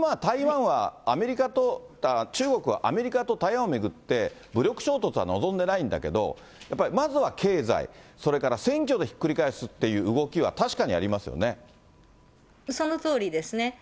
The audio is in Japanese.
今、台湾はアメリカと、中国はアメリカと台湾を巡って、武力衝突は望んでないんだけれども、やっぱりまずは経済、それから選挙でひっくり返すっていう動きは確かそのとおりですね。